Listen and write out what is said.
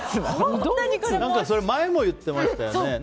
前も言ってましたよね。